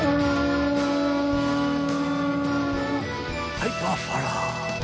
はいパッファラー。